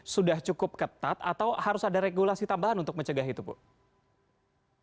sudah cukup ketat atau harus ada regulasi tambahan untuk pernikahan di indonesia